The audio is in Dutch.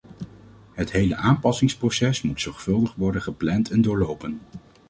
Het hele aanpassingsproces moet zorgvuldig worden gepland en doorlopen.